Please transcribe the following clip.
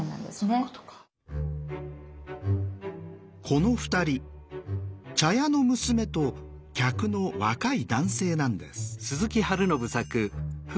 この２人茶屋の娘と客の若い男性なんです。